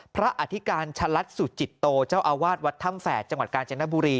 อธิการชะลัดสุจิตโตเจ้าอาวาสวัดถ้ำแฝดจังหวัดกาญจนบุรี